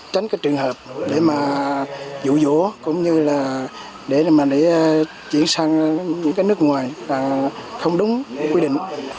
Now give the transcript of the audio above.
tránh cái trường hợp để mà dụ dỗ cũng như là để mà để chuyển sang những cái nước ngoài là không đúng quy định